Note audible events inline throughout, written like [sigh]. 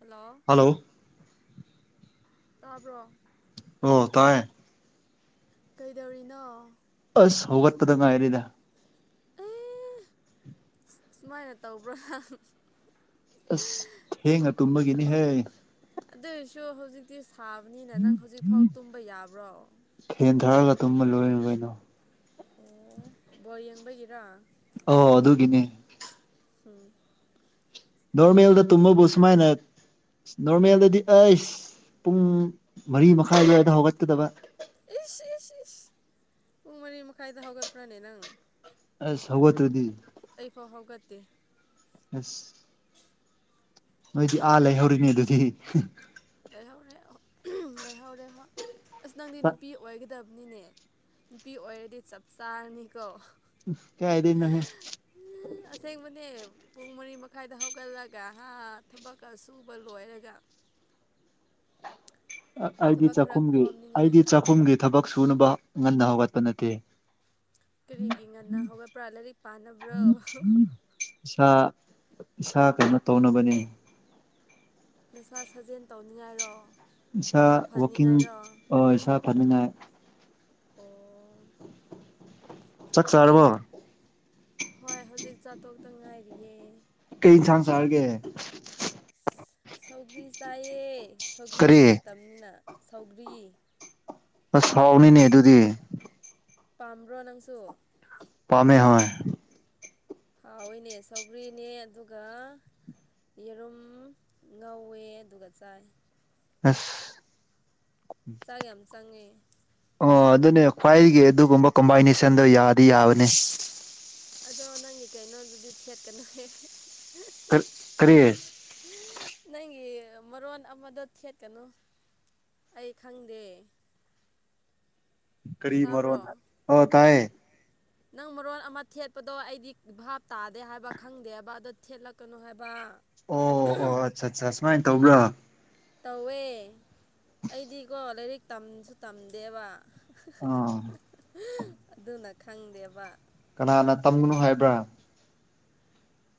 Hello hello ꯇꯥꯕ꯭ꯔꯣ ꯑꯣ ꯇꯥꯏꯌꯦ ꯀꯩꯗꯧꯔꯤꯅꯣ ꯑꯁ ꯍꯣꯗꯅ ꯍꯥꯏꯔꯤꯗ ꯑꯦ ꯁꯨꯃꯥꯏꯅ ꯇꯧꯕ꯭ꯔꯥ ꯑꯁ ꯊꯦꯡꯉ ꯇꯨꯝꯕꯒꯤꯅꯤꯍꯦ ꯑꯗꯨꯏꯁꯨ ꯍꯧꯖꯤꯛꯇꯤ ꯁꯥꯕꯅꯤꯅ ꯅꯪ ꯍꯧꯖꯤꯛꯐꯥꯎ ꯇꯨꯝꯕ ꯌꯥꯕ꯭ꯔꯣ ꯊꯦꯟ ꯊꯥꯔꯒ ꯇꯨꯝꯃ ꯂꯣꯏꯔꯣꯏꯅꯣ ꯑꯣ ꯕꯣꯔ ꯌꯦꯡꯕꯒꯤꯔ ꯑꯣ ꯑꯗꯨꯒꯤꯅꯦ ꯎꯝ ꯗꯧꯔ ꯃꯜꯗ ꯇꯨꯝꯃꯕꯨꯁꯃꯥꯏꯅ ꯅꯣꯔꯃꯦꯜꯗꯗꯤ ꯑꯩꯁ ꯄꯨꯡ ꯃꯔꯤ ꯃꯈꯥꯏ ꯌꯗ ꯍꯧꯒꯠꯀꯗꯕ ꯏ ꯏ ꯏ ꯄꯨꯡ ꯃꯔꯤ ꯃꯈꯥꯏꯗ ꯍꯧꯒꯦ ꯐ꯭ꯔꯥꯅꯦ ꯅꯪ ꯑꯁ ꯁꯒꯣꯗ꯭ꯔꯗꯤ ꯑꯩꯐꯥꯎ ꯍꯧꯒꯠꯇꯦ ꯑꯁ ꯅꯣꯏꯗꯤ ꯑꯥ ꯂꯩꯍꯧꯔꯤꯅꯦ ꯑꯗꯨꯗꯤ ꯂꯩꯍꯧꯔꯦ ꯂꯩꯍꯧꯔꯦ ꯍꯣꯏ ꯑꯁ ꯅꯪꯗꯤ ꯅꯨꯄꯤ ꯑꯣꯏꯒꯗꯕꯅꯤꯅꯦ ꯅꯨꯄꯤ ꯑꯣꯏꯔꯗꯤ ꯆꯞ ꯆꯥꯔꯅꯤꯀꯣ ꯀꯌꯥꯏꯗꯅꯍꯦ ꯎ ꯑꯁꯥꯏ ꯃ ꯄꯨꯡ ꯃꯔꯤ ꯃꯈꯥꯏꯗ ꯍꯧꯒꯠꯂꯒ ꯍꯥ ꯊꯕꯛꯀ ꯁꯨꯕ ꯂꯣꯏꯔꯒ ꯑꯩꯗꯤ ꯊꯕꯛ ꯈꯔ ꯆꯥꯛꯈꯨꯝꯒꯤ ꯀꯣꯝꯅꯤꯡꯉꯥꯏ ꯑꯩꯗꯤ ꯆꯥꯛꯈꯨꯝꯒꯤ ꯊꯕꯛ ꯁꯨꯅꯕ ꯉꯟꯅ ꯍꯧꯒꯠꯄ ꯅꯠꯇꯦ ꯀꯔꯤꯒꯤ ꯉꯟꯅ ꯍꯧꯒꯠꯄ꯭ꯔꯥ ꯂꯥꯏꯔꯤꯛ ꯄꯥꯅꯕ꯭ꯔꯣ ꯏꯁꯥ ꯏꯁꯥ ꯀꯩꯅꯣ ꯇꯧꯅꯕꯅꯦ ꯅꯁꯥ ꯁꯥꯖꯦꯜ ꯇꯧꯅꯤꯡꯉꯥꯏꯔꯣ ꯏꯁꯥ ꯅꯁꯥ ꯀꯤꯡ ꯐꯅꯤꯡꯉꯥꯏꯔꯣ ꯏꯁꯥ ꯐꯅꯤꯡꯉꯥꯏ ꯑꯣ ꯆꯥꯛ ꯑꯗꯨꯗꯤꯟ ꯆꯥꯔꯕꯣ ꯍꯣꯏ ꯍꯧꯖꯤꯛ ꯆꯥꯊꯣꯛꯇ ꯉꯥꯏꯔꯤꯌꯦ ꯀꯩ ꯏꯟꯁꯥꯡ ꯆꯥꯔꯒꯦ ꯁꯧꯒ꯭ꯔꯤ ꯆꯥꯏꯑ ꯁꯧꯒ꯭ꯔꯤꯒꯤ ꯀꯔꯤ ꯃꯇꯝꯅ ꯁꯧꯒ꯭ꯔꯤ ꯑꯁ ꯍꯥꯎꯅꯤꯅꯦ ꯑꯗꯨꯗꯤ ꯄꯥꯝꯕ꯭ꯔꯣ ꯅꯪꯁꯨ ꯄꯥꯝꯃꯦ ꯍ ꯍꯥꯎꯍꯏꯅꯦ ꯁꯧꯒ꯭ꯔꯤꯅꯦ ꯑꯗꯨꯒ ꯌꯦꯔꯨꯝ ꯉꯧꯋꯦ ꯑꯗꯨꯒ ꯆꯥꯏ ꯑꯁ ꯆꯥꯛ ꯌꯥꯝ ꯆꯪꯉꯦ ꯑꯣ ꯑꯗꯨꯅꯦ ꯈ꯭ꯋꯥꯏꯒꯤ ꯑꯗꯨꯒꯨꯝꯕ ꯀꯝꯕꯥꯏꯅꯦꯁꯟꯗꯣ ꯌꯥꯗꯤ ꯌꯥꯕꯅꯦ ꯑꯗꯣ ꯅꯪꯒꯤ ꯀꯩꯅꯣꯗꯨꯗꯤ ꯊꯦꯠꯀꯅꯨꯍ ꯔꯤ ꯀꯔꯤꯑꯌꯦ ꯅꯪꯒꯤ ꯃꯔꯣꯟ ꯑꯃꯗꯣ ꯊꯦꯠꯀꯅꯨ ꯑꯩ ꯈꯪꯗꯦ ꯀꯔꯤ ꯇꯥꯕ꯭ꯔꯣ ꯃꯔꯑꯣ ꯑꯣ ꯇꯥꯏꯌꯦ ꯅꯪ ꯃꯔꯣꯟ ꯑꯃ ꯊꯦꯠꯄꯗꯣ ꯑꯩꯗꯤ ꯚꯥꯞ ꯇꯥꯗꯦ ꯍꯥꯏꯕ ꯈꯪꯗꯦꯕ ꯑꯗꯨꯣ ꯊꯦꯠꯂꯛ ꯀꯅꯣ ꯍꯥꯏꯕ ꯑꯣ ꯑꯣ ꯑꯠꯆꯥ ꯑꯠꯆꯥ ꯁꯨꯃꯥꯏꯅ ꯇꯧꯕ꯭ꯔꯥ ꯇꯧꯋꯦ ꯑꯩꯗꯤꯀꯣ ꯂꯥꯏꯔꯤꯛ ꯇꯝꯁꯨ ꯇꯝꯗꯦꯕ ꯑꯥ ꯑꯗꯨꯅ ꯈꯪꯗꯦꯕ ꯀꯅꯥꯅ ꯇꯝꯒꯅꯨ ꯍꯥꯏꯕ꯭ꯔꯥ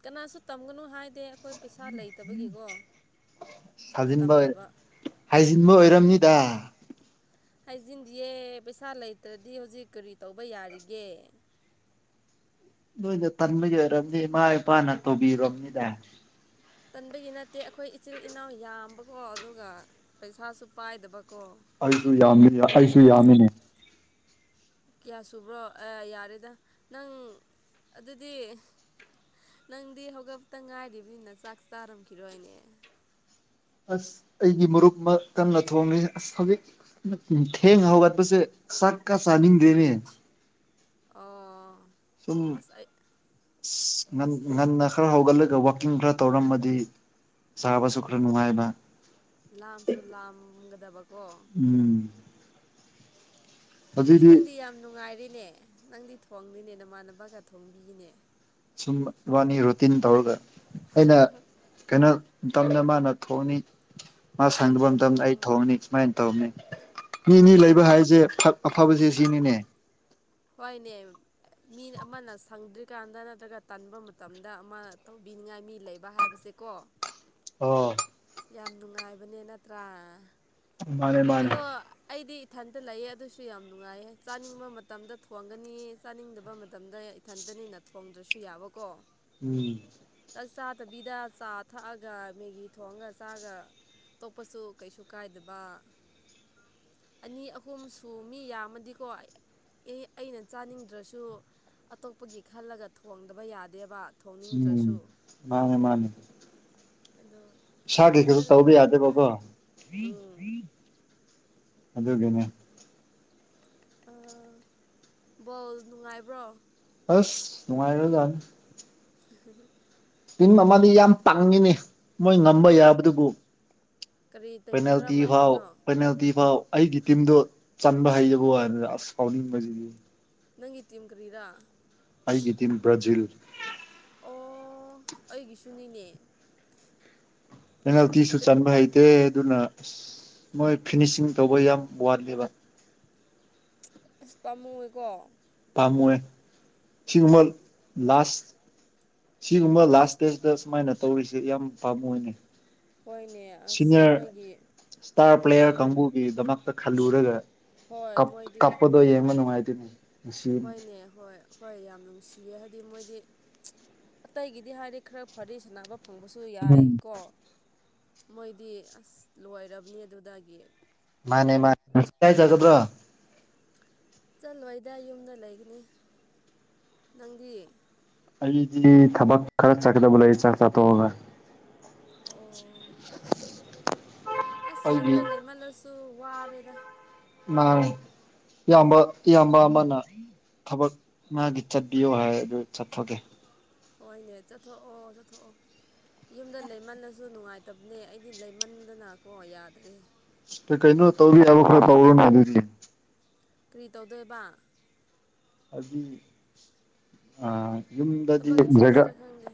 ꯀꯅꯥꯁꯨ ꯇꯝꯒꯅꯨ ꯍꯥꯏꯗꯦ ꯑꯩꯈꯣꯏ ꯄꯩꯁꯥ ꯂꯩꯇꯕꯒꯤꯀꯣ ꯁꯥꯖꯤꯟꯕ ꯇꯝꯗꯕ ꯍꯥꯏꯖꯤꯟꯕ ꯑꯣꯏꯔꯝꯅꯤꯗ ꯍꯥꯏꯖꯤꯟꯗꯤꯌꯦ ꯄꯩꯁꯥ ꯂꯩꯇ꯭ꯔꯗꯤ ꯍꯧꯖꯤꯛ ꯀꯔꯤ ꯇꯧꯕ ꯌꯥꯔꯤꯒꯦ ꯅꯣꯏꯅ ꯇꯟꯕꯒꯤ ꯑꯣꯏꯔꯝꯅꯤ ꯏꯃꯥ ꯏꯄꯥꯅ ꯇꯧꯕꯤꯔꯝꯅꯤꯗ ꯇꯟꯕꯒꯤ ꯅꯠꯇꯦ ꯑꯩꯈꯣꯏ ꯏꯆꯤꯜ ꯏꯅꯥꯎ ꯌꯥꯝꯕꯀꯣ ꯑꯗꯨꯒ ꯄꯩꯁꯥꯁꯨ ꯄꯥꯏꯗꯕꯀꯣ ꯑꯩꯁꯨ ꯌꯥꯝꯃꯤ ꯑꯩꯁꯨ ꯌꯥꯝꯃꯤꯅꯦ ꯀꯌꯥ ꯁꯨꯕ꯭ꯔꯣ ꯑ ꯌꯥꯔꯦꯗ ꯅꯪ ꯑꯗꯨꯗꯤ ꯅꯪꯗꯤ ꯍꯧꯒꯠꯄꯇ ꯉꯥꯏꯔꯤꯕꯅꯤꯅ ꯆꯥꯛ ꯆꯥꯔꯝꯈꯤꯔꯣꯏꯅꯦ ꯑꯁ ꯑꯩꯒꯤ ꯃꯔꯨꯞ ꯑꯃ ꯀꯟꯅ ꯊꯣꯡꯂꯤ ꯑꯁ ꯍꯧꯖꯤꯛ ꯊꯦꯡ ꯍꯧꯒꯠꯄꯁꯦ ꯆꯥꯛꯀ ꯆꯥꯅꯤꯡꯗꯦꯅꯦ ꯑꯣ ꯁꯨꯝ ꯑꯁ ꯑꯩ ꯉꯟꯅ ꯈꯔ ꯍꯧꯒꯠꯂꯒ ꯋꯥꯛꯀꯤꯡ ꯈꯔ ꯇꯧꯔꯝꯃꯗꯤ ꯆꯕꯁꯨ ꯈ꯭ꯔ ꯑꯣ ꯅꯨꯡꯉꯥꯏꯕ ꯂꯥꯝꯁꯨ ꯂꯥꯝꯒꯗꯕꯀꯣ ꯎꯝ ꯏꯁ ꯍꯧꯖꯤꯛꯇꯤ ꯅꯪꯗꯤ ꯌꯥꯝ ꯅꯨꯡꯉꯥꯏꯔꯦꯅꯦ ꯅꯪꯗꯤ ꯊꯣꯡꯗꯦꯅꯦ ꯅꯃꯥꯟꯅꯕꯅ ꯊꯣꯡꯕꯤꯑꯦꯅꯦ ꯁꯨꯝ ꯏꯕꯥꯅꯤ ꯔꯨꯇꯤꯟ ꯇꯧꯔꯒ ꯑꯩꯅ ꯀꯩꯅꯣ ꯃꯇꯝꯗ ꯃꯥꯅ ꯊꯣꯡꯅꯤ ꯃꯥ ꯁꯪꯗꯕ ꯃꯇꯝꯗ ꯑꯣ ꯑꯩ ꯊꯣꯡꯅꯤ ꯁꯨꯃꯥꯏꯅ ꯇꯧꯕꯅꯦ ꯃꯤꯅꯤ ꯂꯩꯕ ꯅꯤꯕꯥꯟ ꯍꯥꯏꯁꯦ ꯑꯐꯕꯁꯦ ꯁꯤꯅꯤꯅꯦ ꯍꯣꯏꯅꯦ ꯃꯤ ꯑꯃꯅ ꯁꯪꯗ꯭ꯔꯤꯀꯥꯟꯗ ꯅꯠꯇ꯭ꯔꯒ ꯇꯟꯕ ꯃꯇꯝꯗ ꯑꯃ ꯇꯧꯕꯤꯅꯤꯡꯉꯥꯏ ꯃꯤ ꯂꯩ ꯕ ꯍꯥꯏꯕꯁꯦ ꯀꯣ ꯑꯣ ꯌꯥꯝ ꯅꯨꯡꯉꯥꯏꯕꯅꯦ ꯅꯠꯇ꯭ꯔꯥ ꯃꯥꯅꯦ ꯃꯥꯅꯦ ꯑꯗꯣ ꯑꯩꯗꯤ ꯏꯊꯟꯇ ꯂꯩꯌꯦ ꯑꯗꯨꯁꯨ ꯌꯥꯝ ꯅꯨꯡꯉꯥꯏꯌꯦ ꯆꯥꯅꯤꯡꯕ ꯃꯇꯝꯗ ꯊꯣꯡꯒꯅꯤ ꯆꯥꯅꯤꯡꯗꯕ ꯃꯇꯝꯗ ꯏꯊꯟꯇꯅꯤꯅ ꯊꯣꯡꯗ꯭ꯔꯁꯨ ꯌꯥꯕꯀꯣ ꯎꯝ ꯆꯥꯛ ꯆꯥꯗꯕꯤꯗ ꯆꯥ ꯊꯛꯑꯒ ꯃꯦꯒꯤ ꯊꯣꯡꯉꯒ ꯆꯥꯒ ꯇꯣꯛꯄꯁꯨ ꯀꯩꯁꯨ ꯀꯥꯏꯗꯕ ꯑꯅꯤ ꯑꯍꯨꯝ ꯁꯨ ꯃꯤ ꯌꯥꯝꯃꯗꯤꯀꯣ ꯑꯦ ꯑꯩꯅ ꯆꯥꯅꯤꯡꯗ꯭ꯔꯁꯨ ꯑꯇꯣꯞꯄꯒꯤ ꯈꯜꯂꯒ ꯊꯣꯡꯗꯕ ꯌꯥꯗꯦꯕ ꯎꯝ ꯊꯣꯡꯅꯤꯡꯗ꯭ꯔꯁꯨ ꯃꯥꯅꯦ ꯃꯥꯅꯦ ꯑꯗꯣ ꯏꯁꯥꯒꯤ ꯏꯊꯟꯇ [unintelligible] ꯇꯧꯕ ꯂꯩꯕꯁꯨ ꯅꯨꯡꯉꯥꯏ ꯌꯥꯗꯦꯕꯀꯣ ꯎꯝ ꯑꯗꯨꯒꯤꯅꯦ ꯑ ꯕꯣꯜ ꯅꯨꯡꯉꯥꯏꯕ꯭ꯔꯣ ꯑꯁ ꯅꯨꯡꯉꯥꯏꯈ꯭ꯔꯖꯅꯤ [unintelligible] ꯇꯤꯝ ꯑꯃꯗꯤ ꯌꯥꯝ ꯄꯪꯉꯤꯅꯦ ꯃꯣꯏ ꯉꯝꯕ ꯌꯥꯕꯗꯨꯕꯨ ꯀꯔꯤ ꯇꯤꯝ ꯄꯦꯅꯥꯜꯇꯤ ꯀꯔꯝꯕ ꯐꯥꯎ ꯇꯤꯝꯅꯣ ꯄꯦꯅꯥꯜꯇꯤ ꯐꯥꯎ ꯑꯩꯒꯤ ꯇꯤꯝꯗꯣ ꯆꯟꯕ ꯍꯩꯇꯕ ꯋꯥꯅꯤꯗ ꯑꯁ ꯁꯥꯎꯅꯤꯡꯕꯁꯤꯗꯤ ꯅꯪꯒꯤ ꯇꯤꯝ ꯀꯔꯤꯔꯥ ꯑꯩꯒꯤ ꯇꯤꯝ ꯕ꯭ꯔꯥꯖꯤꯜ ꯑꯣ ꯑꯩꯒꯤꯁꯨꯅꯤꯅꯦ ꯄꯦꯉꯜꯇꯤꯁꯨ ꯆꯟꯕ ꯍꯩꯇꯦ ꯑꯗꯨꯅ ꯃꯣꯏ ꯐꯤꯅꯤꯁꯤꯡ ꯇꯧꯕ ꯌꯥꯝ ꯋꯥꯠꯂꯦꯕ ꯑꯁ ꯄꯥꯝꯃꯨꯑꯦꯀꯣ ꯄꯥꯝꯋꯦ ꯁꯤꯒꯨꯝꯕ ꯂꯥꯁ ꯁꯤꯒꯨꯝꯕ ꯂꯥꯁ ꯏꯁꯇꯦꯖꯇ ꯁꯨꯃꯥꯏꯅ ꯇꯧꯔꯤꯁꯦ ꯌꯥꯝ ꯄꯥꯝꯃꯨꯑꯦꯅꯦ ꯍꯣꯏꯅꯦ ꯑꯁ ꯁꯤꯅꯤꯌꯔ ꯃꯣꯏꯒꯤ ꯏꯁꯇꯥꯔ ꯄ꯭ꯂꯦꯌꯔ ꯎꯝ ꯀꯥꯡꯕꯨꯨꯒꯤ ꯗꯃꯛ ꯇ ꯈꯜꯂꯨꯔꯒ ꯍꯣꯏ ꯃꯣꯏꯗꯤ ꯀꯞꯄꯗꯣ ꯌꯦꯡꯕ ꯅꯨꯡꯉꯥꯏꯇꯦꯅꯦ ꯉꯁꯤ ꯍꯣꯏꯅꯦ ꯍꯣꯏ ꯍꯣꯏ ꯌꯥꯝ ꯅꯨꯡꯁꯤꯌꯦ ꯍꯥꯏꯗꯤ ꯃꯣꯏꯗꯤ ꯑꯇꯩꯒꯤꯗꯤ ꯍꯥꯏꯗꯤ ꯈꯔ ꯐꯔꯤ ꯁꯅꯥꯕ ꯐꯪꯕꯁꯨ ꯎꯝ ꯌꯥꯏ ꯀꯣ ꯃꯣꯏꯗꯤ ꯑꯁ ꯂꯣꯏꯔꯕꯅꯤ ꯑꯗꯨꯗꯒꯤ ꯃꯥꯅꯦ ꯃꯥꯅꯦ ꯀꯥꯏ ꯆꯒꯗ꯭ꯔꯣ ꯆꯠꯂꯣꯏꯗ ꯌꯨꯝꯗ ꯂꯩꯒꯅꯤ ꯅꯪꯗꯤ ꯑꯩꯗꯤ ꯊꯕꯛ ꯈꯔ ꯆꯠꯀꯗꯕ ꯂꯩ ꯆꯥꯛ ꯆꯥꯊꯣꯛꯑꯒ ꯑꯣ ꯑꯁ ꯑꯩꯒꯤ ꯌꯨꯝꯗ ꯂꯩꯃꯜꯂꯁꯨ ꯋꯥꯔꯦꯗ ꯃꯥꯅꯦ ꯏꯌꯥꯝꯕ ꯏꯌꯥꯝꯕ ꯑꯃꯅ ꯊꯕꯛ ꯃꯥꯒꯤ ꯆꯠꯄꯤꯌꯨ ꯍꯥꯏꯗꯨ ꯆꯠꯊꯒꯦ ꯍꯣꯏꯅꯦ ꯆꯠꯊꯣꯛꯑꯣ ꯆꯠꯊꯣꯛꯑꯣ ꯌꯨꯝꯗ ꯂꯩꯃꯜꯂꯁꯨ ꯅꯨꯡꯉꯥꯏꯇꯕꯅꯦ ꯑꯩꯗꯤ ꯂꯩꯃꯟꯗꯅꯀꯣ ꯌꯥꯗ꯭ꯔꯦ ꯀꯩꯅꯣ ꯇꯧꯔꯤ ꯌꯥꯕ ꯈꯔ ꯇꯧꯔꯨꯅꯦ ꯑꯗꯨꯗꯤ ꯀꯔꯤ ꯇꯧꯗꯣꯏꯕ ꯍꯥꯏꯗꯤ ꯌꯨꯝꯗꯗꯤ ꯊꯕꯛ ꯊꯤꯁꯤꯔꯥ ꯈꯪꯗꯦ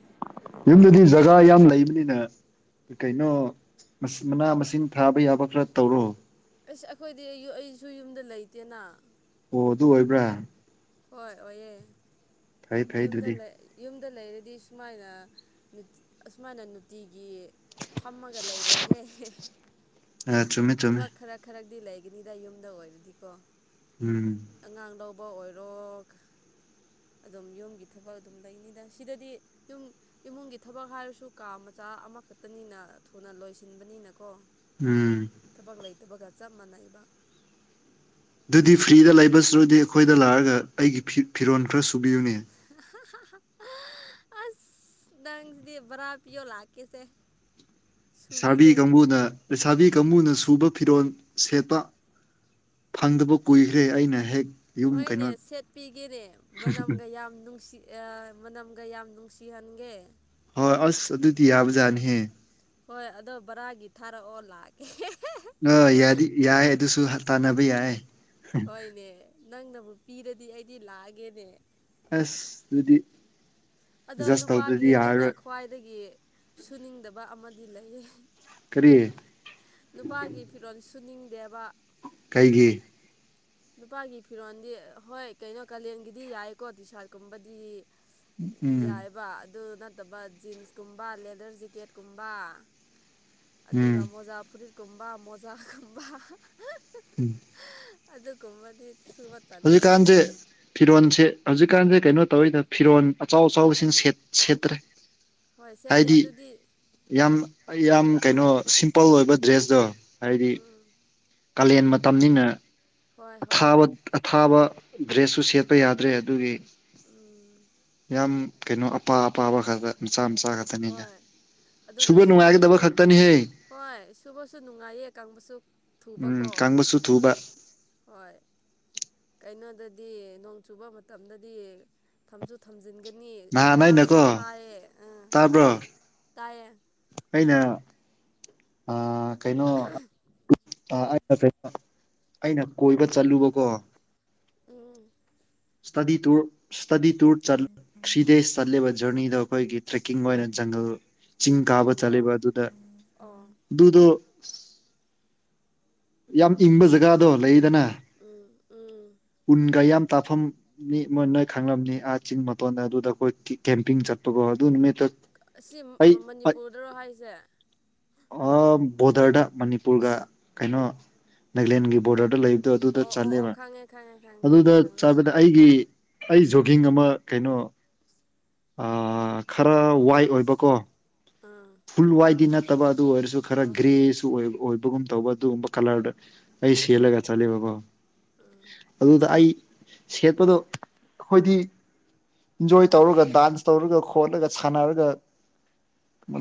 ꯌꯨꯝꯗꯗꯤ ꯖꯒꯥ ꯌꯥꯝ ꯂꯩꯕꯅꯤꯅꯦ ꯀꯩꯅꯣ ꯃꯅꯥ ꯃꯁꯤꯡ ꯊꯥꯕ ꯌꯥꯕ ꯈꯔ ꯇꯧꯔꯣ ꯑꯁ ꯑꯩꯈꯣꯏꯗꯤ ꯑꯩꯁꯨ ꯌꯨꯝꯗ ꯂꯩꯇꯦꯅ ꯑꯣ ꯑꯗꯨ ꯑꯣꯏꯕ꯭ꯔꯥ ꯍꯣꯏ ꯑꯣꯏꯑꯦ ꯐꯩ ꯐꯩ ꯌꯨꯝꯗ ꯑꯗꯨꯗꯤ ꯌꯨꯝꯗ ꯂꯩꯔꯗꯤ ꯁꯨꯃꯥꯏꯅ ꯑꯁꯨꯃꯥꯏꯅ ꯅꯨꯡꯇꯤꯒꯤ ꯐꯝꯃꯒ ꯂꯩꯔꯣꯏꯍꯦ ꯑ ꯆꯨꯝꯃꯦ ꯆꯨꯝꯃꯦ ꯊꯕꯛ ꯈꯔ ꯈꯔꯗꯤ ꯂꯩꯒꯅꯤꯗ ꯌꯨꯝꯗ ꯑꯣꯏꯔꯗꯤꯀꯣ ꯎꯝ ꯑꯉꯥꯡ ꯂꯧꯕ ꯑꯣꯏꯔꯣ ꯑꯗꯨꯝ ꯌꯨꯝꯝꯒꯤ ꯊꯕꯛ ꯑꯗꯨꯝ ꯂꯩꯅꯤꯅ ꯁꯤꯗꯗꯤ ꯌꯨꯝ ꯏꯃꯨꯡꯒꯤ ꯊꯕꯛ ꯍꯥꯏꯔꯁꯨ ꯀꯥ ꯃꯆꯥ ꯑꯃꯈꯛꯇꯅꯤꯅ ꯊꯨꯅ ꯂꯣꯏꯁꯤꯟꯕꯅꯤꯅꯀꯣ ꯎꯝ ꯊꯕꯛ ꯂꯩꯇꯕꯒ ꯆꯞ ꯃꯥꯟꯅꯩꯕ ꯑꯗꯨꯗꯤ ꯐ꯭ꯔꯤꯗ ꯂꯩꯕꯕꯁꯤꯔꯗꯤ ꯑꯩꯈꯣꯏꯗ ꯂꯥꯛꯑꯒ ꯑꯩꯒꯤ ꯐꯤ ꯐꯤꯔꯣꯟ ꯈꯔ ꯁꯨꯕꯤꯌꯨꯅꯦ ꯑꯁ ꯗꯪꯁꯤꯗꯤ ꯕꯔꯥ ꯄꯤꯌꯣ ꯂꯥꯛ ꯀꯦꯁꯦ ꯂꯩꯥꯕꯤ ꯀꯥꯡꯕꯨꯅ ꯂꯩꯁꯥꯕꯤ ꯀꯥꯡꯕꯨꯅ ꯁꯨꯕ ꯐꯤꯔꯣꯜ ꯁꯦꯠꯄ ꯐꯪꯗꯕ ꯀꯨꯏꯈ꯭ꯔꯦ ꯑꯩꯅ ꯍꯦꯛ ꯌꯨꯝ ꯍꯣꯏꯅꯦ ꯀꯩꯅꯣ ꯁꯦꯠꯄꯤꯒꯦꯅꯦ ꯃꯅꯝꯒ ꯌꯥꯝ ꯅꯨꯡꯁꯤ ꯃꯅꯝꯒ ꯌꯥꯝ ꯅꯨꯡꯁꯤꯍꯟꯒꯦ ꯍꯣꯏ ꯑꯁ ꯑꯗꯨꯗꯤ ꯌꯥꯕꯖꯥꯠꯅꯤꯍꯦ ꯍꯣꯏ ꯑꯗꯣ ꯕꯔꯥꯒꯤ ꯊꯥꯔꯛꯑꯣ ꯂꯥꯛꯀꯦ ꯑ ꯌꯥꯗꯤ ꯌꯥꯏ ꯑꯗꯨꯁꯨ ꯇꯥꯟꯅꯕ ꯌꯥꯏ ꯍꯣꯏꯅꯦ ꯅꯪꯅꯕꯨ ꯄꯤꯔꯗꯤ ꯑꯩꯗꯤ ꯂꯥꯛꯑꯒꯦꯅꯦ ꯑꯁ ꯑꯗꯨꯗꯤ ꯑꯗꯣ ꯑꯦꯗꯖꯁ ꯅꯨꯄꯥꯒꯤ ꯇꯧꯗ꯭ꯔꯗꯤ ꯑꯩꯅ ꯌꯥꯔꯔꯣꯏ ꯈ꯭ꯋꯥꯏꯗꯒꯤ ꯁꯨꯅꯤꯡꯗꯕ ꯑꯃꯗꯤ ꯂꯩꯌꯦ ꯀꯔꯤ ꯅꯨꯄꯥꯒꯤ ꯐꯤꯔꯣꯜ ꯁꯨꯅꯤꯡꯗꯦꯕ ꯀꯩꯒꯤ [unintelligible] ꯅꯨꯄꯥꯒꯤ ꯐꯤꯔꯣꯜꯗꯤ ꯍꯣꯏ ꯀꯩꯅꯣ ꯀꯥꯂꯦꯟꯒꯤꯗꯤ ꯌꯥꯏꯀꯣ ꯇꯤ ꯁꯥꯔꯠꯀꯨꯝꯕꯗꯤ ꯎꯝ ꯌꯥꯏꯑꯕ ꯑꯗꯨ ꯅꯠꯇꯕ ꯖꯤꯟꯁꯀꯨꯝꯕ ꯂꯦꯗꯔ ꯖꯤꯀꯦꯠꯀꯨꯝꯕ ꯎꯝ ꯑꯗꯨꯒꯥ ꯃꯣꯖꯥ ꯐꯨꯔꯤꯠꯀꯨꯝꯕꯥ ꯃꯣꯖꯥꯒꯨꯝꯕꯥ꯫ ꯎꯝꯝ ꯍꯨꯝ ꯑꯗꯨ ꯀꯨꯝꯕꯗꯤ ꯑꯗꯨꯗꯤ ꯀꯥꯟꯅꯗꯦ ꯐꯤꯔꯣꯜꯁꯦ ꯍꯧꯖꯤꯛꯀꯥꯟꯁꯦ ꯀꯩꯅꯣ ꯇꯧꯔꯤꯗ ꯐꯤꯔꯣꯜ ꯑꯆꯥꯎ ꯑꯆꯥꯎꯕꯁꯤꯡ ꯁꯦꯠ ꯁꯦꯜ ꯇꯔ ꯍꯣꯏ ꯁꯦꯠꯇꯦ ꯍꯥꯏꯗꯤ ꯑꯗꯨꯗꯤ ꯌꯥꯝ ꯌꯥꯝ ꯀꯩꯅꯣ ꯁꯤꯝꯄꯜ ꯑꯣꯏꯕ ꯗ꯭ꯔꯦꯁꯇꯣ꯫ ꯍꯥꯏꯕꯗꯤ ꯎꯝ ꯀꯥꯂꯦꯟ ꯃꯇꯝꯅꯤꯅꯀꫭ ꯍꯣꯏ ꯍꯣꯏ ꯑꯊꯥꯕ ꯑꯊꯥꯕ ꯗ꯭ꯔꯦꯁꯁꯨ ꯁꯦꯠꯄꯥ ꯌꯥꯗ꯭ꯔꯦ ꯑꯗꯨꯒꯤ꯫ ꯎꯝ ꯌꯥꯝ ꯀꯩꯅꯣ ꯑꯄꯥ ꯑꯄꯥꯕ ꯈꯔ ꯈꯔ ꯃꯆꯥ ꯃꯆꯥ ꯈꯛꯇꯅꯤꯗꯥ ꯑꯗꯨꯒꯥ ꯁꯨꯕꯁꯨ ꯍꯣꯏ ꯁꯨꯕꯁꯨ ꯅꯨꯡꯉꯥꯏꯌꯦ ꯀꯪꯕꯁꯨ ꯎꯝꯝ ꯊꯨꯕꯀꯣ ꯀꯪꯕꯁꯨ ꯊꯨꯕꯥ ꯍꯣꯏ ꯀꯩꯅꯣꯗꯗꯤ ꯅꯣꯡ ꯆꯨꯕꯥ ꯃꯇꯝꯗꯥꯗꯤ ꯊꯝꯁꯨ ꯊꯝꯖꯤꯟꯒꯅꯤ ꯅꯍꯥꯟ ꯊꯥꯁꯨ ꯑꯩꯅꯀꯣ ꯊꯥꯏꯌꯦ ꯑꯥ ꯇꯥꯕ꯭ꯔꯣ ꯇꯥꯏꯌꯦ ꯑꯩꯅ ꯑꯥ ꯀꯩꯅꯣ ꯑꫭ ꯑꯥ ꯀꯇꯂꯗꯥ ꯑꯩꯅ ꯀꯣꯏꯕ ꯆꯠꯂꯨꯕꯀꯣ ꯎꯝ ꯎꯝ ꯏꯁ꯭ꯇꯗꯤ ꯇꯨꯔ ꯏꯁꯇꯗꯤ ꯇꯨꯔ ꯆꯠ ꯊꯔꯤꯗꯦꯁ ꯀꯤ ꯆꯠꯂꯤꯕꯥ ꯖꯔꯅꯤꯗꯣ ꯑꯩꯈꯣꯏꯒꯤ ꯇ꯭ꯔꯦꯛꯀꯤꯡ ꯑꯣꯏꯅ ꯖꯪꯒꯜ ꯆꯤꯡ ꯀꯥꯕ ꯑꯣ ꯆꯠꯂꯦꯕ ꯑꯗꯨꯗꯥ ꯑꯣ ꯑꯗꯨꯗꯣ ꯌꯥꯝ ꯏꯪꯕ ꯖꯒꯥꯗꯣ ꯂꯩꯗꯥꯅ ꯎꯝ ꯎꯝ ꯎꯟꯒꯥ ꯌꯥꯝ ꯇꯥꯐꯝ ꯃꯤ ꯃꯣꯏꯅꯃꯛ ꯅꯣꯏ ꯈꯪꯂꯝꯅꯤ ꯑꯥ ꯆꯤꯡ ꯃꯇꯣꯟꯗ ꯑꯗꯨꯗ ꯑꯩꯈꯣꯏ ꯀꯦꯝꯄꯤꯡ ꯆꯠꯄꯒꯣ ꯑꯗꯨ ꯅꯨꯃꯤꯠꯇ ꯑꯁꯤ ꯑꯩ ꯃꯅꯤꯄꯨꯔꯗꯔꯣ ꯍꯥꯏꯁꯦ ꯑꯥ ꯕꯣꯗꯔꯗ ꯃꯅꯤꯄꯨꯔꯒ ꯀꯩꯅꯣ ꯅꯥꯒꯂꯦꯟꯒꯤ ꯕꯣꯔꯗꯔꯗ ꯂꯩ ꯑꯣ ꯑꯣ ꯑꯣ ꯈꯪꯉꯦ ꯈꯪꯉꯦ ꯈꯪꯉꯦ ꯑꯗꯨꯗ ꯈꯪꯉꯦ ꯈꯪꯂꯦ ꯆꯠꯄꯗꯥ ꯈꯪꯂꯦ ꯑꯩꯒꯤ ꯑꯩ ꯖꯣꯒꯤꯡ ꯑꯃ ꯀꯩꯅꯣ ꯈꯔ ꯋꯥꯏꯠ ꯑꯣꯏꯕꯥ ꯀꯣ ꯑꯥ ꯐꯨꯜ ꯋꯥꯏꯗꯤ ꯅꯠꯇꯕꯥ ꯑꯗꯨ ꯑꯣꯏꯔꯁꯨ ꯈꯔꯗꯤ ꯍꯣꯏ ꯒ꯭ꯔꯦ ꯍꯣꯏ ꯑꯥꯗꯨ ꯑꯣꯏꯕꯒꯨꯝ ꯇꯧꯕ ꯑꯗꯨꯒꯨꯝꯕ ꯀꯂꯔꯗ ꯑꯩ ꯁꯦꯠꯂꯒ ꯆꯠꯂꯦꯕꯀꯣ ꯑꯥ ꯑꯗꯨꯗꯥ ꯑꯩ ꯁꯦꯠꯄꯗꯣ ꯑꯩꯈꯣꯏꯗꯤ ꯏꯟꯖꯣꯏ ꯇꯧꯔꯒꯥ ꯗꯥꯟꯁ ꯇꯧꯔꯒꯥ ꯈꯣꯠꯂꯒ ꯁꯥꯟꯅꯔꯒꯥ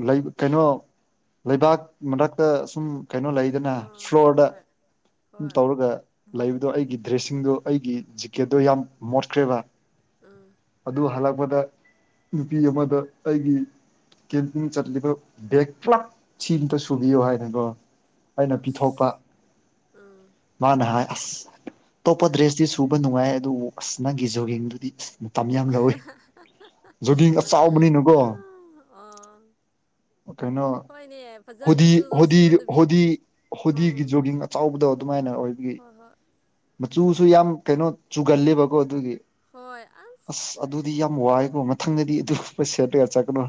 ꯂꯩ ꯀꯩꯅꯣ ꯂꯩꯕꯥꯛ ꯃꯔꯛꯇꯥ ꯁꯨꯝ ꯀꯩꯅꯣ ꯂꯩ ꯂꯩꯗꯥꯅ ꯑꯥ ꯑꯥ ꯐ꯭ꯂꯣꯔꯗꯥ ꯍꯣꯏ ꯍꯣꯏ ꯇꯧꯔꯒ ꯂꯩꯕꯗꯣ ꯑꯩꯒꯤ ꯏꯁꯤꯡꯗꫭ ꯑꯩꯒꯤ ꯖꯤꯀꯦꯠꯇꯣ ꯌꯥꯝ ꯃꯣꯠꯈ꯭ꯔꯦꯕ ꯑꯥ ꯑꯗꯨ ꯍꯜꯂꯛꯄꯗꯥ ꯅꯨꯄꯤ ꯑꯃꯗꯥ ꯑꯩꯒꯤ ꯀꯝꯄꯤꯡ ꯆꯠꯔꯤꯕ ꯕ°ꯛ ꯄꯨꯂꯞ ꯁꯤ ꯑꯥꯇ ꯁꯨꯕꯤꯌꯣ ꯍꯥꯏꯔꯀꯣ ꯑꯩꯅ ꯄꯤꯊꯣꯛꯄꯥ ꯑꯁ ꯎꯝ ꯃꯥꯅ ꯍꯥꯏ ꯑꯁ ꯑꯇꯣꯞꯄꯥ ꯗ꯭ꯔꯦꯁꯇꯤ ꯁꯨꯕ ꯅꯨꯡꯉꯥꯏꯌꯦ ꯑꯗꯨꯕꯨ ꯅꯪꯒꯤ ꯖꯣꯒꯤꯡꯗꯨꯗꯤ ꯑꯥꯁ ꯃꯇꯝ ꯌꯥꯝ ꯂꯧꯋꯤ ꯖꯣꯒꯤꯡ ꯑꯥ ꯆꯥꯎꯕꯅꯤꯅꯀꯣ ꯀꯩꯅꯣ ꯑ [unintelligible] ꯐꯖꯅ ꯍꯣꯗꯤ ꯁꯨꯗꯥ ꯍꯣꯗꯤ ꯁꯨꯗꯕꯤ ꯍꯣꯗꯤ ꯑꯝ ꯍꯣꯗꯤꯒꯤ ꯎꯝ ꯖꯣꯒꯤꯡ ꯑꯆꯧꯕꯗꯣ ꯑꯗꯨꯃꯥꯏꯅ ꯑꯣꯏꯕꯒꯤ ꯍꯣꯏ ꯍꯣꯏ ꯃꯆꯨꯁꯨ ꯌꯥꯝꯅ ꯀꯩꯅꯣ ꯆꯨꯒꯂꯦꯕꯀꯣ ꯑꯗꯨꯒꯤ ꯍꯣꯏ ꯑꯁ ꯑꯗꯨꯗꯤ ꯌꯥꯝ ꯋꯥꯏꯑꯀꯣ ꯃꯊꯪꯗꯗꯤ ꯑꯗꯨꯝꯕ ꯁꯦꯠ ꯔꯀ ꯆꯠꯀꯅꯣ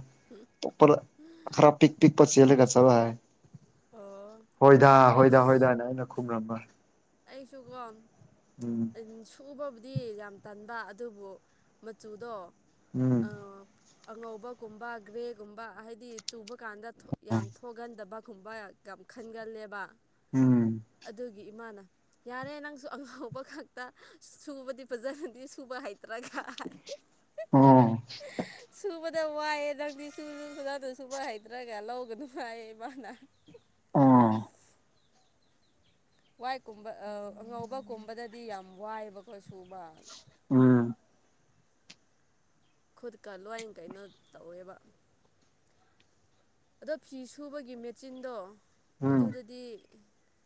ꯑꯇꯣꯞꯄꯗꯥ ꯈꯔ ꯄꯤꯛ ꯄꯤꯛ ꯄꯥ ꯆꯦꯜꯂꯦꯒꯥ ꯆꯠꯔꫭ ꯌꯥꯔꯦ ꯑꯣ ꯍꯣꯏꯗꯥ ꯍꯣꯏꯗꯥ ꯍꯣꯏꯗꯥꯅ ꯑꯩꯅ ꯈꯨꯝꯔꯝꯕꯅꯤ ꯑꯩꯁꯨ ꯀꯣ ꯎꯝ ꯎꯝ ꯁꯨꯕꯕꯨꯗꯤ ꯌꯥꯝ ꯇꯟꯕ ꯑꯗꯨꯕꯨ ꯃꯆꯨꯗꯣ ꯎꯝ ꯑꯥ ꯑꯉꯧꯕꯒꯨꯝꯕ ꯒ꯭ꯔꯦꯒꯨꯝꯕ ꯍꯥꯏꯗꯤ ꯆꯨꯕ ꯀꯥꯟꯗ ꯊꫭꯛ ꯌꯥꯝ ꯊꫭꯛ ꯍꯣꯒꯟꯗꯕꯒꯨꯝꯕ ꯌꯥꯝ ꯈꯟꯒꯜꯂꯦꯕ ꯎꯝ ꯑꯗꯨꯒꯤ ꯏꯃꯥꯅ ꯌꯥꯔꯦ ꯅꯪꯁꯨ ꯑꯉꯧꯕ ꯈꯛꯇ ꯁꯨꯕꯗꯤ ꯐꯖꯅꯗꯤ ꯁꯨꯕ ꯍꯥꯏ ꯇꯔꯒꯥ ꯑꯣ ꯁꯨꯕꯗ ꯋꯥꯏꯑꯦ ꯅꯪꯛꯇꯗꯤ ꯁꯨꯁꯨ ꯐꯖꯅ ꯁꯨꯕ ꯍꯩꯗ꯭ꯔꯒ ꯂꯧꯒꯅ ꯋꯥꯏꯌꯦ ꯏꯃꯅ ꯑꯣ ꯋꯥꯏ ꯀꯨꯝꯕ ꯑꯉꯧꯕ ꯀꯨꯝꯕꯗꯗꯤ ꯌꯥꯝ ꯋꯥꯏꯑꯕꯀꯣ ꯁꯨꯕ ꯎꯝ ꯈꯨꯠꯀ ꯂꯣꯏꯅ ꯀꯩꯅꯣ ꯇꯧꯋꯦꯕ ꯑꯗꯣ ꯐꯤ ꯁꯨꯕꯒꯤ ꯃꯦꯆꯤꯟꯗꯣ ꯎꯝ ꯑꯗꯨꯗꯗꯤ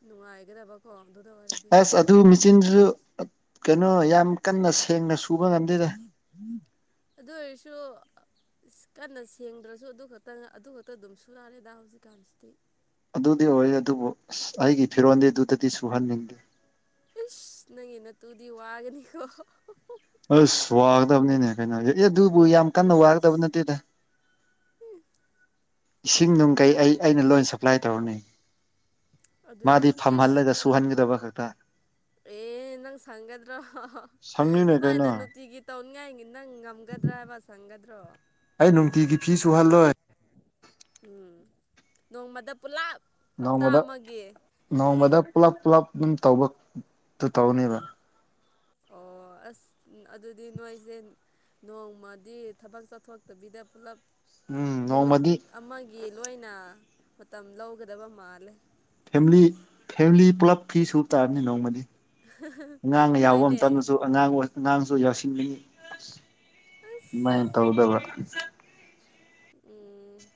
ꯅꯨꯡꯉꯥꯏꯒꯗꯕ ꯑꯣ ꯑ ꯑꯗꯨ ꯑꯁ ꯑꯗꯨ ꯃꯦꯆꯤꯟꯗꯨꯁꯨ ꯀꯩꯅꯣ ꯌꯥꯝ ꯀꯟꯅ ꯁꯦꯡꯅ ꯁꯨꯕ ꯉꯝꯗꯦꯗ ꯑꯗꯨ ꯑꯣꯏꯔꯁꯨ ꯀꯟꯅ ꯁꯦꯡꯗ꯭ꯔꯁꯨ ꯑꯗꯨ ꯈꯛꯇꯪ ꯑꯗꯨ ꯈꯛꯇ ꯑꯗꯨꯝ ꯁꯨꯅꯔꯦꯗ ꯍꯧꯖꯤꯛꯀꯥꯟꯁꯤꯗꯤ ꯑꯗꯨꯗꯤ ꯑꯣꯏ ꯑꯗꯨꯕꯨ ꯑꯩꯒꯤ ꯐꯤꯔꯣꯟꯗꯤ ꯑꯗꯨꯗꯗꯤ ꯁꯨꯍꯟꯅꯤꯡꯗꯦ ꯏꯁ ꯅꯪꯒꯤ ꯅꯠꯇꯨꯗꯤ ꯋꯥꯒꯅꯤꯀꯣ ꯑꯁ ꯋꯥꯒꯗꯕꯅꯤꯅꯦ ꯀꯩꯅꯣ ꯑꯦ ꯑꯗꯨꯕꯨ ꯌꯥꯝ ꯀꯟꯅ ꯋꯥꯒꯗꯕ ꯏꯁ ꯅꯠꯇꯦꯗ ꯏꯁꯤꯡ ꯅꯨꯡ ꯀꯩ ꯑꯩ ꯑꯩꯅ ꯂꯣꯏ ꯁꯄ꯭ꯂꯥꯏ ꯇꯧꯔꯅꯤ ꯑꯗꯨ ꯃꯥꯗꯤ ꯏꯁ ꯐꯝꯍꯜꯂꯒ ꯇꯨꯍꯥꯟꯒꯗꯕ ꯈꯛꯇ ꯑꯦ ꯅꯪ ꯁꯪꯒꯗ꯭ꯔꯣ ꯁꯪꯅꯤꯅꯦ ꯀꯩꯅꯣ ꯁꯨꯃꯥꯏꯅ ꯅꯨꯡꯇꯤꯒꯤ ꯇꯧꯅꯤꯡꯉꯥꯏꯒꯤ ꯅꯪ ꯉ ꯉꯝꯒꯗ꯭ꯔꯥ ꯁꯪꯒꯗ꯭ꯔꯣ ꯑꯩ ꯅꯨꯡꯇꯤꯒꯤ ꯐꯤꯁꯨ ꯍꯜꯂꯣꯏ ꯎꯝ ꯅꯣꯡꯃꯗ ꯄꯨꯂꯞ ꯍꯞꯇꯥ ꯅꯣꯡꯃꯗ ꯑꯃꯒꯤ ꯅꯣꯡꯃꯗ ꯄꯨꯂꯞ ꯄꯨꯂꯞ ꯑꯗꯨꯝ ꯇꯧꯕꯗꯨ ꯇꯧꯅꯦꯕ ꯑꯣ ꯑꯁ ꯑꯗꯨꯗꯤ ꯅꯣꯏꯁꯦ ꯅꯣꯡꯃꯗꯤ ꯊꯕꯛ ꯆꯠꯊꯣꯛꯇꯕꯤꯗ ꯄꯨꯜꯂꯞ ꯎꯝ ꯅꯣꯡꯃꯗꯤ ꯑꯃꯒꯤ ꯂꯣꯏꯅ ꯃꯇꯝ ꯂꯧꯒꯗꯕ ꯃꯥꯜꯂꯦ ꯐꯦꯃꯂꯤ ꯐꯦꯃꯤꯂꯤ ꯄꯨꯂꯞ ꯐꯤ ꯁꯨꯕ ꯇꯥꯕꯅꯤ ꯅꯣꯡꯃꯗꯤ ꯑꯉꯥꯡꯅ ꯌꯥꯎꯕ ꯍꯣꯏꯅꯦ ꯃꯇꯝꯇꯗꯁꯨ ꯑꯉꯥꯡ ꯑꯣꯏ ꯑꯉꯥꯡꯁꯨ ꯌꯥꯁꯤꯟꯅꯤꯡꯉꯤ ꯑꯁ ꯑꯗꯨꯃꯥꯏꯅ ꯇꯧꯗꯕ ꯎꯝ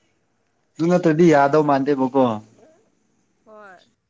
ꯗꯨ ꯅꯠꯇ꯭ꯔꯗꯤ ꯌꯥꯗꯧ ꯃꯥꯟꯗꯦꯕꯀꯣ ꯍꯣꯏ